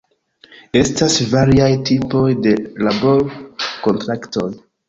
Estas variaj tipoj de labor-kontraktoj.